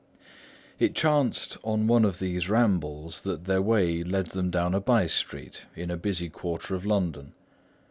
It chanced on one of these rambles that their way led them down a by street in a busy quarter of London.